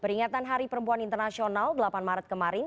peringatan hari perempuan internasional delapan maret kemarin